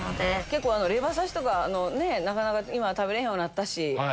結構レバ刺しとかなかなか今は食べれんようなったし。